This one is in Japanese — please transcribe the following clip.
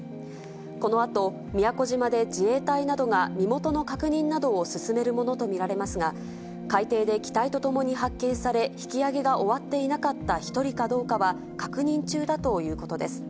このあと、宮古島で自衛隊などが身元の確認などを進めるものと見られますが、海底で機体とともに発見され、引き揚げが終わっていなかった１人かどうかは、確認中だということです。